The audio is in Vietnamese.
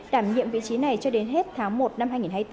đảm nhiệm vị trí này cho đến hết tháng một năm hai nghìn hai mươi bốn